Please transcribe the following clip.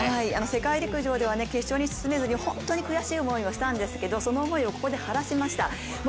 世界陸上では決勝に進めずに、本当に悔しい思いをしたんですけどその思いをここで晴らしました。